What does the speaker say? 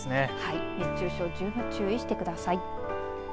熱中症に十分注意してください。